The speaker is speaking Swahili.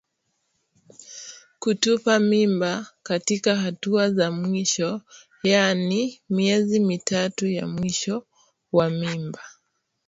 Kutupa mimba katika hatua za mwisho yaani miezi mitatu ya mwisho wa mimba